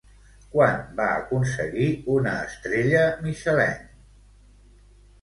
Quan va aconseguir una estrella Michelin?